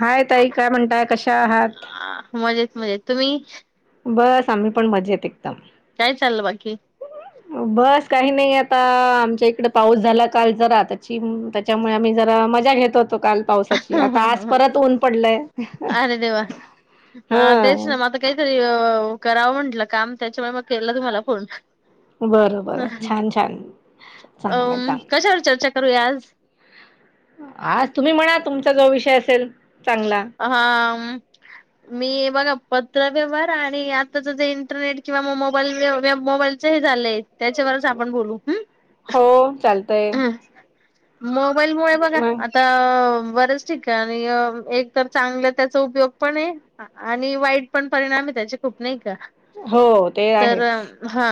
हाय ताई काय म्हणताय कशा आहात म्हणजे तुम्ही बस आम्ही पण मज येत एकदम काय चाललं बाकी बस काही नाही आ आता आमच्या इकडे पाऊस झाला काल जरा त्याची त्याच्यामुळे आम्ही जरा मजा घेतो काल पावसाची आता आज परत ऊन पडलय अरे देवा हा तेच ना मता काहीतरी करावं म्हटलं काम त्याच्यामुळे मग केलं तुम्हाला फोन बरं बरं ह छान छान अ चांगलंय चांगलंय कशावर चर्चा करूया आज आाज तुम्ही म्हणा तुमचा जो विषय असेल चांगला. हा मी बघा पत्र व्यवहार आणि आताच जे इंटरनेट किंवा मोबाईल मोबाईलचे झा त्याच्यावरच आपण बोलू हो चालतय. मोबाईल मु बघा मग आता बरंच ठीक आहे आणि एक तर चांगलं त्याचा उपयोग पण आहे आणि वाईट पण परिणाम आहे त्याचे खूप नाही हो ते तर आहेच हा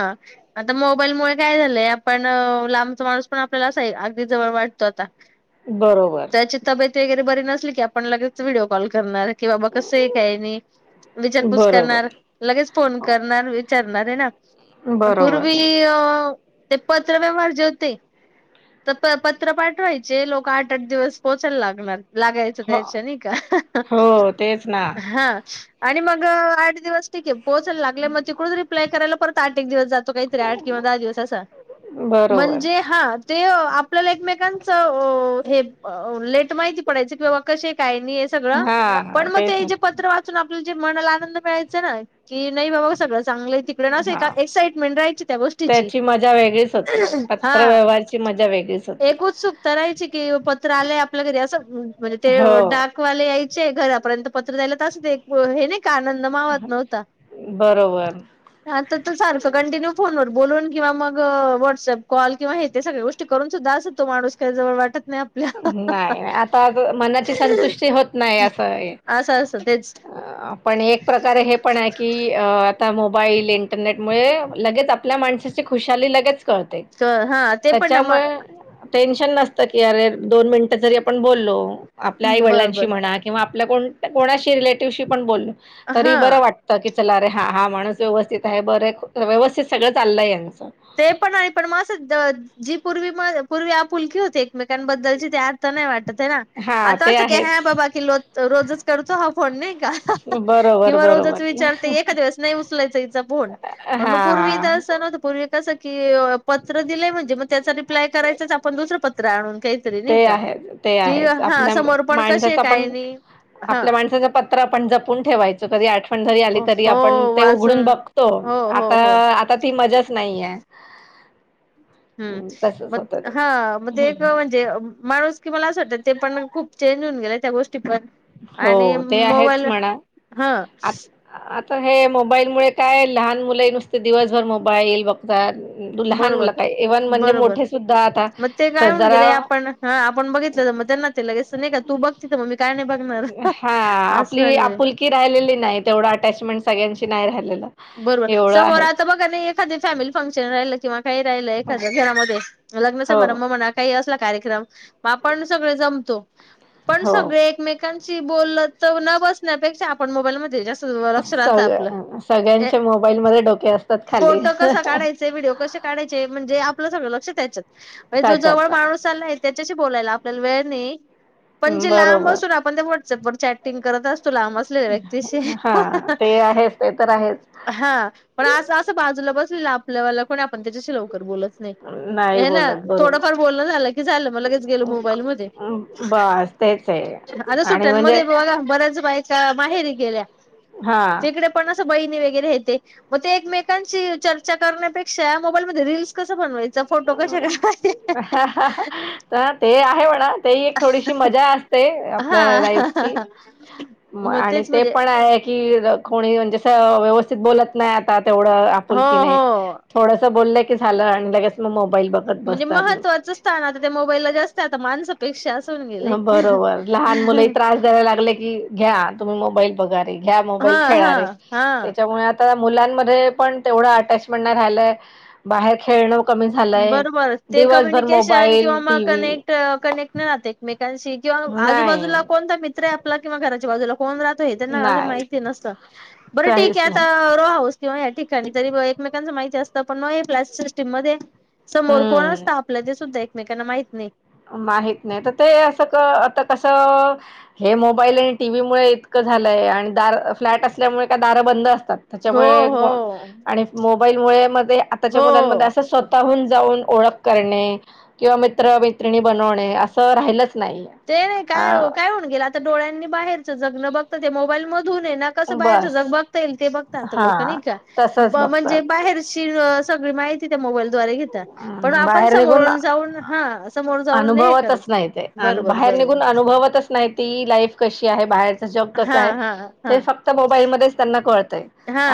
आता मोबाईलमुळे काय झालंय आपण लांबचा माणूस पण आपल्याला असा अगदी जवळ वाटतो आता बरोबर वगरे बरी नस क आपण लगेच व्हिडिओ कॉल करणार कि बाबा कस एक काय नाही विचारपूस बरोबर करणार लगेच फोन करणार विचारणार आहे ना बरोबर पूर्वी ते पत्र व्यवहार जे होते तर प पत्र पाठवायचे लोक आठ आठ दिवस पोहोचायला लागणार लागे हो दर्शन का हो तेच ना हा आणि मग आठ दिवस ठीे पोहोचायला लागले मग तिकडूनच रिप्लाय करायला परत आठ एक दिवस जात तो काय तरी आठ किंवा दहा दिवस असा, बरोबर म्हणजे ते आपल्याला एकमेकांच हे लेट माहिती पडायच किंवा कसे का नाही सग हा हा पण मग तेच ते ना जे प्रच तुझे मनाला आनंद मिळायचा ना की नाही बाबाघ सगळ चांगलं तिकडे नसे हा का एक्साइटमेंट राहायची त्या गोष्टीची त्याची मजा वेगळीच होती हा पत्र व्यवहारची मजा वेगळीच होती एक उत्सुक करायची की आय आपल्या कधी अस म्हणजे ते हो डाकवाले घरापर्यंत पत्र द्यायला त अस हे नाही बरोबर कं्य फ बोलून किंवा मग व्हॉट्सअप कॉल किंवा हे ते सगळ गोष्ट करून सुद्धा असत तो माणूस का जवळ वाटत नाही आपल्या नाही आता मनाची संतुष्टी होत नाही असं असं असं तेच अ पण एक प्रकार हे पण आहे की अ मोबाईल इंटरनेट मु लगेच आपल्या माणसाची खुशाली लगेच हा ते पण ना त्याच्यामुळे टेन्शन नसतं की अरे दोन मिनिटं जरी आपण बोललो आपल्या आई म वडिलांशी बरोबर म्हणा किंवा आप कोणाशी रिलेटिव्हशी पण बोललो तरी हा बरं वाटत चला अरे हा हा माणस व्यवस्थित आहे बरे व्यवस्थित सगळं चाललंय यांचं ते पण नाही पण मं जी पूर्वी पूर्वी आपुलकीी होती एकमेकांबद्दलची ते आथ नाही वाटते हा आता ते असं का ह आहेच बाबा कि रोजच करतो ह फोन नाही का बरोबर किंवा रोजच बरोबर विचारते एखाद्या वेळेस स नाही उचलायचा हिचा फोन पण मग फोन तू इथे हा असताना तर पूर्वी कडुन. पत्र दिलंय म्हणजे मग त्याचा रिप्लाय करायचाच आपण दुसरं पत्र आणून काहीतरी नाही ते का? आहेच ते जी आहेच हा आपल्या समोर पण कसे माणसाचा काय पण नाही. हा आपल्या माणसाचं पत्र आपण जपून ठेवायच कधी आठवण जरी आली तरी हो आपण ते उघडून वाचून बघतो. हो आता हो हो. आता ती मजाच नाहीय. हम्म मग हा म एक म्हणजे माणूस कि मला असं वाटते. ते पण खूप चेंज होऊन गेले त्या गोष्ट पण आणि हो ते आहेच मोबाईल ह तर हे मोबाईल मु काय लहान मुलं नुसते दिवसभर मोबाईल बघतात लहान मुल बरोबर काय इव्हन म्हणजे बरोबर मोठे सुद्धा. आता मग ते तर काय होन जरा गेले आपण ह आपण बघितलं तर मग त्यांना ते लगेच नाही का तू बघती मग मी काय नाही. बघणार हा असं आपली झालेलं आहे. आपुलकी राहिलेली नाही तेवढं अटॅचमेंट सगळ्यांची नाही राहिलेलं. बरोबर एवढं समोर आहे आता बघा नाही एखाद फॅमिली फंक्शन राहिल किंवा काही राहिलं एखाद्या घरामध्ये लग्नच हो समारंभ म्हणा काही असला कार्यक्रम आपण सगळे जमतो पण हो सगळे एकमेका कां बोल तर न बसण्यापेक्षा आपण मोबाईलमध्ये जास्त लक्ष राहत आपलं सग सगळ्यांच्या मोबाईलमध्ये डोके असतात खाली फोटो कसा काढायचे, व्हिडिओ कसे काढायचे, म्हणजे आपलं सगळं लक्ष त्याच्यात जो जवळ त्याच्यात माणूस आलाय त्याच्याशी बोलायला आपल्याला वेळ नाही. पण जे लांब बरोबर असून आपण ते व्हॉट्सअपवर चॅटिंग करत असतो. तू लांब असलेल्या व्यक्तीशी हा ते आहेच ते तर आहेच हा पण असं असं बाजूला बसलेलं आपल्यावाला कोणी आपण त्याच्याशी लवकर बोलत नाही. नाही हे ना बोलत बरोबर थोडंफार बोलण झालं कि झालं म लगेच गेलो मोबाईल मध्ये बस तेच आहे आता आणि म्हणजे सुट्यांमध्ये बघा बऱ्याच बायका माहेरी गेल्या. हा. बहिन वगैरे हेते मग ते एकमेकांची चर्चा करण्यापेक्षा मोबाईलमध्ये रीलस कस बनवायच. तर ते आहे म्हणा तेही एक थोडीशी मजा असते आपल्या हा लाईफची म मग आणि तेच ते म्हणजे पण आहे की कोणी म्हणजे व्यवस्थित बोलात नाही आता तेवढं हो आपुलकी नाही हो थोडस बोललं की झालं आणि लगेच मग मोबा म्हणजे महत्त्वाचं स्थान आता ते मोबाईलला जास्त आता माणसापेक्षा असून गेले. बरोबर लहान मुलं त्रास द्यायला लागले की घ्या तुम्ही मोबाईल बघा घ्या हा मोबाईल हा खेळे हा त्याच्यामुळे मुलांमध्ये पण तेवढं अटॅचमेंट नाही राहिलंय बाहेर खेळण. बरोबर ते कम्युनिकेशन किंवा मोबाईल मग टी व्ही कनेक्ट कनेक्ट नाही राहते एकमेकांशी किंवा नाही आजूबाजूला कोणता मित्र आहे आपला किंवा घराच्या बाजुला कोण राहत हे त्यांना अजुन नाही माहिती नसत बर ठीक काहीच आहे नाही आता रोहाऊस किंवा या ठिकाणी तरी एकमेकांचं माहिती असत पण न ह्या फ्लॅट सिस्टीम मध्ये. समोर कोण हम्म असत आपल्या ते सुद्धा एकमेकांना माहित नाही. माहत नाही तर ते अस आता कस हे मोबाईल आणि टीव्ही मुळे इतकं झालंय आणि दार फ्लॅट असल्यामुळे का दार बंद असत. हो त्याच्यामुळे हो आणि मोबाईल मुळे ते आताच्या हो मुलांमध्ये अस शोधतात. स्वताहुन जाऊन ओळख करणे किवा मित्र मैत्रिणी बनवणे अस राहिलंच. नाही ते नाही अ काय काय होन गेलं आता डोळ्यांनी बाहेरचं जग न बघत ते मोबाईल म मधुन आहे न कस बाहेर बस जग बघता येईल ते बघता आता लोक हा तसच म्हणजे बघतात बाहेर. ती सगळी माहिती त्या मोबाईल द्वारे घेतात पण हम्म आपण बाहेर निघून समोरून जाऊन हा समोर जाऊन नाही हे करत. अनुभवतच नाही ते बरोबर बाहेर बरोबर निघून अनुभवतच नाही ती लाईफ कशी आहे बाहेर. जग कस हा आहे हा हा ते फक्त मोबाईल त्यांना कळतय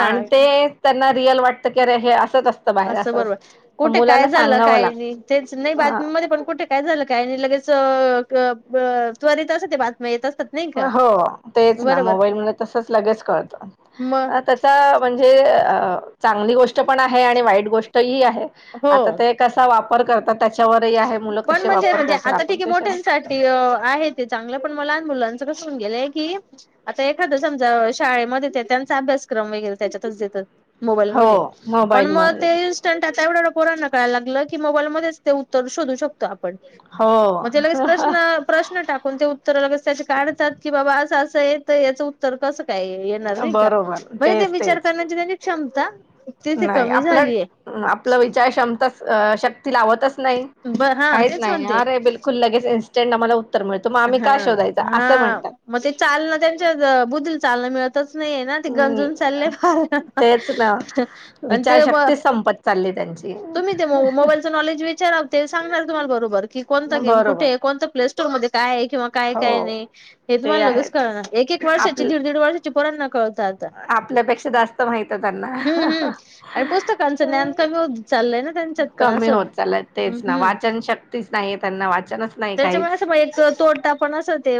आणि त्यांना. रिअल वाटतरे हे असंच असतं बाहेर असं कुठे काय झालं काही नाही तेच नाही लागत बातमीमध्ये पण कुठे काय झालं काय नाही लगेच त्वर येत अस ते बातम्या येतच हो तेच ना मोबाईल म तसच लगेच कळतं त्याचा म्हणजे ह अ, चांगली गोष्ट पण आहे आणि वाईट गोष्ट ह आहे हो आता ते कसा वापर करतात त्या पण म्हणजे म्हणजे आता ठीके कसे वापर मोठ्यांसाठी आहे ते चांगलं पण लहान मुलां कसण गेलंय की आता एखाद समजा शाळेमध्ये ते त्यांचा अभ्यासक्रम वगैरे त्याच्यातच देतात मोबाईल हो मध्ये पण मोबाईल म मग ते इन्स्टंट आता एवढं ोरांना कळाय लागलं की मोबाईल मध्येच ते उत्तर शोधू शकतो आप हो मग लगेच प्रश्न प्रश्न टाकून ते उत्तर लगे त्या काढतात की बाबा असं असं आहे तर याचं उत्तर कसं काय येणार नाही का बरोबर म्हणजे ते तेच विचार तेच करण्याची त्यांची क्षमता तिथे नाही कमी झालीय आपलं आपला विचार क्षमता श्य ती लावतच नाही ब हा काहीच तेच नाही म्हणते अरे बिलकुल लगेच इन्स्टंट आम्हाला मिळतो मग आम्ही हा का शोधायचा असं हा म्हणतात मग ते चालना त्यांच्या बुद्धील चालण मिळत च नाहीय ना ते गंजून चालले हम्म फ तेच ना आणि ते ब विचारशक्ती संपत चालली त्यांची तुम्ही ते मोबाईलच नॉलेज विचारा ते सांणार तुम्हाला बरोबर की कोणता गेम बरोबर कुठे कोण प्ले सोर मध्ये काय किंवा काय हो काय नाही हे ते तुम्हाला लगेच आहेच कळणार एक एक आप वर्षाची दीड दीड वर्षाची पणना कळत आपल्यापेक्षा जास्त माहित आहे हम्म हम्म त्यांना आणि पुस्तकांच ज्ञान कमी होत चालय त्या ा कमी होत चालत तेच ना वाचन शक्तीच नाही त्यांना वाचनच नाही काहीच पण अस ते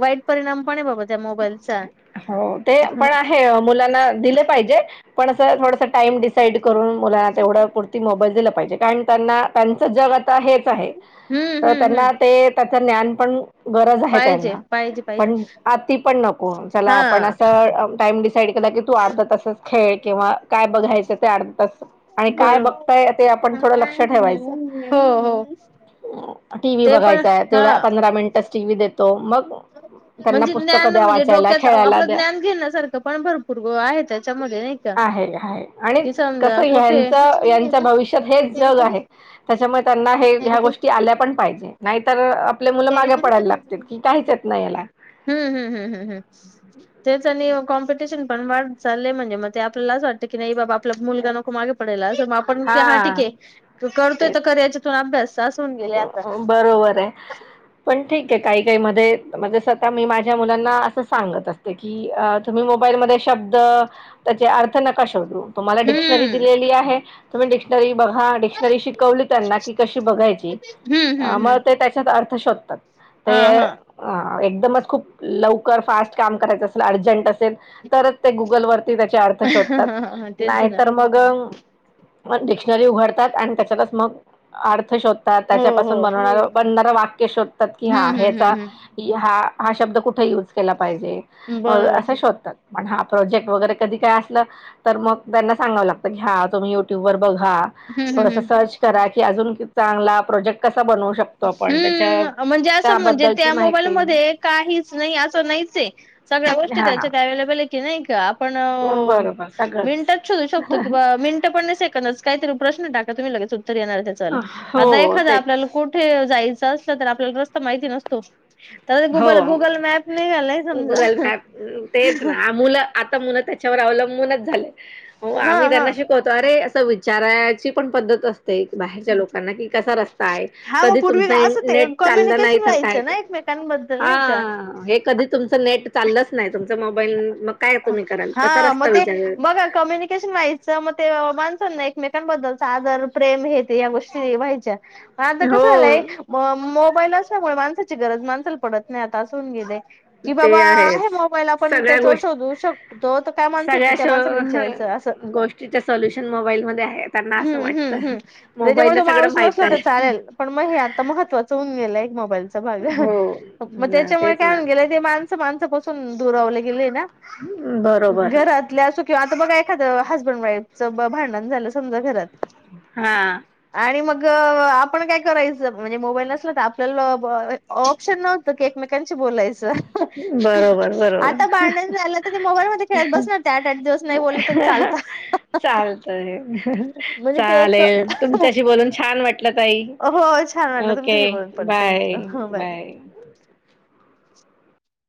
वाईट परिणाम पण आहे बाबा त्या मोबाईलचा हो ते हम्म पण आहे मुलांना दिले पाहिजे पण असं थोडासं टाम डिसाईड करून मुला तेवढं पुर्ती मोबाईल दि कार त्यां त्यांच जग आता हेच आहे तर हम्म हम्म त्यांना ते त्यांच ज्ञान पण गरज आहे पाहिजे त्यांना पाहिजे पाहिजे पण आ ती पण नको चला आपण हा अस टाइम क तू अर्ध तास खेळ किंवा काय बघायचं ते अर्ध तास आणि काय बघताय आपण काय हो हो टीव्ही ते पण बघायचाय हा तेव पंधरा मिनिटच टीव्ही देतो मग त्यांना म्हणजे पुस्तकं द्या म्हणजे वाचायला डोक्यात खेळायला आपलं द्या ज्ञान घेण्यासारखं पण भरपूर ग आहे त्याच्यामध्ये नाही का आहे आहे आणि कि कस समजा कुठे हच यांच्या हम्म भविष्यात हेच जग आहे त्याच्यामुळे त्यांना हे ह्या गोष्टी गोष्टी आल्या पण पाहिजे नाहीतर आपले मुलं मागे पडायला लागत की काहीचेत नाही याला हम्म हम्म हम्म हम्म हम् तेच आणि कॉम्पिटिशन पण वाढ झाले म्हणजे म ते आपला अस वाटतं की नाही बाबा आपला मुलगा नको मागे पडेला मग आपण हा ठीके करतोय तेच तर करा याच्यात अभ्यास असं होऊन गेले आता. बरोबर आहे पण ठीक काही काही म म्हणजे स्वः मी माझ्या मुलांना अस सांगत असते की तुम्ही मोईल शब्द त्याचे अर्थ नका शोधून तुम्हाला डिक्शनरी हम्म दिलेली आहे तुम्ही डिक्शनरी बघा डिक्शनरी शिकवली त्यांना की कशी बघायची अ हम्म हम्म हम्म. श हा एकदमच खूप लवकर फास्ट काम करायचं असल अर्जंट असेल तरच ते गुगलवर त्याचे अर्थ शोधतात हा तेच नाही ना तर मग पण डिक्शनरी उघडतात आणि त्याच्यातच मग अर्थ शोध हो त्याच्यापासून हो. बनवणार बनणारं वाक्य शोधतात की हा हम्म हम्म ह्याचा हम्म हा हा शब्द कुठे यूज केला पाहिजे हम्म. बरोबर. असा शोधतात पण हा प्रोजेक्ट वगैरे कधी काय असलं तर मग त्यांना सगावं लागतं की हा तुम्ही युट्यूब वर ा हम्म हम्म हम्म. सर् करा क अज च प्रजेक् हम्म म्हणजे असं म्हणजे त्याबद्दलची त्या मोबाईल माहिती मध्ये काहीच नाही असं नाहीच आहे सगळ्या गोष्टी हा त्याच्यात अव्हेलेबल आहे की नाही का. पण बरोबर सगळंच मिनटात शोधू शकतो किं मिनट पण नाही सेकंद काहीतरी प्रश्न टाका तुम्ही लगेच उत्तर येणार चालं आता हो एखादां तेच आपल्याला कुठे जायचं असलं तर आपल्याला रस्ता माहिती नसतो. तर हो गुगल गुगल मॅप निघालाय गुगल समजा मॅप तेच ना मुलं आता मुलं त्याच्यावर अवलंबूनच झाले हा आम्ही त्यांना हा. शिकवतो अरे असं विचारायची पण पद्धत अस एक बाहेरच्या लोकांना कि कसा रस्ता आहे हा मग कधी पूर्वी तुमच असं ते नेट चाललं नाही कम्युनिकेशन तर काय व्हायचं ना एकमेकांबद्दल हा नाही का हे कधी तुमचं नेट चाललंच नाही तम हा मग रस्ता ते विचार बघ कम्युनिकेशन व्हायच मग ते मा एकमेकांबद्दलचा आदर प्रेम हे या गोष्टी व्हायच्या. आता हो कसं झालंय म ल असल्यामुळे माणसाची गरज माणसाला पडत नाही आता असून गे की बाबा ते आहेच आहे मोबाईल. पण सगळ्या त्याच्या वर गोष्टी शोधू शकतो तो तर काय माणसायची सगळ्या त्या श माणसाला विचारायचं असं गोष्टीच्या सोल्युशन मोबाईलमध्ये आहे त्यांना असं हम्म वाटतं. हम्म हम त्याच्यामुळे मोबाईलला तो सगळं माणूस माहित नसला तर आहे. चालेल पण मग हे आता महत्त्वाचं मोबाईल भाग हो मग ना त्याच्यामुळे तेच काय ना. होऊन गेले. ते माणसं माणसापासून दुरावले गेले ना, बरोबर. घरातल्या असो किंवा आता बघा एखादं हसबंड वाईफचं भांडण झालं समजा घरात हा आणि मग आपण काय करायचं म्हणजे मोबाईल नसला तर आपल्याला ऑप्शन नव्हतं क एकमेकन बोलायच. बरोबर बरोबर आता भांडण झालं तर ते मोबाईल मध्ये खेळत बसणार ते, आठ आठ दिवस नाही बोलले तरी चालत. चालतंय. म्हणजे ते एक चालेल तुमच्याशी हो बोलून छान वाटलं ताई छान वाटलं ओके तुमच्याशी बोलून पण बाय थँक्यू हो बाय.